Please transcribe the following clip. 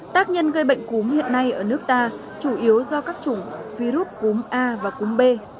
tác nhân gây bệnh cúm hiện nay ở nước ta chủ yếu do các chủng virus cúm a và cúm b